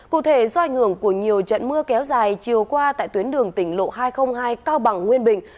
cụ thể do ảnh hưởng của nhiều trận mưa kéo dài chiều qua tại tuyến đường tỉnh lộ hai trăm linh hai cao bằng nguyên bình